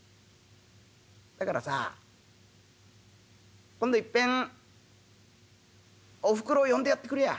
だからさ今度いっぺんおふくろ呼んでやってくれや。